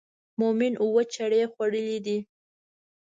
مومن اووه چړې خوړلې دي.